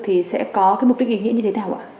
lực lượng vũ trang công an dân